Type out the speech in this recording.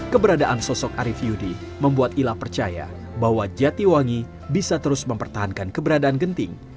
keberadaan sosok arief yudi membuat ila percaya bahwa jatiwangi bisa terus mempertahankan keberadaan genting